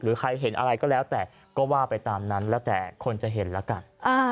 ใครเห็นอะไรก็แล้วแต่ก็ว่าไปตามนั้นแล้วแต่คนจะเห็นแล้วกัน